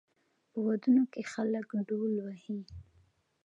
په ودونو کې خلک ډول وهي.